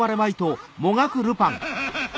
ハハハハ！